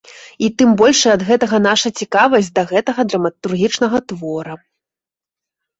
І тым большая ад гэтага наша цікавасць да гэтага драматургічнага твора.